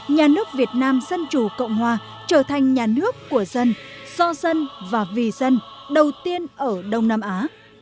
nhà nước việt nam dân chủ cộng hòa trở thành nhà nước của dân do dân và vì dân đầu tiên ở đông nam á